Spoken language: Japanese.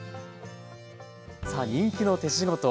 さあ人気の手仕事。